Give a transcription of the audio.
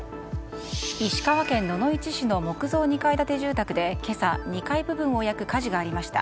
石川県野々市市の木造２階建て住宅で２階部分を焼く火事がありました。